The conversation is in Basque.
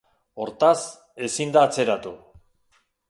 Hortaz, ezin da atzeratu.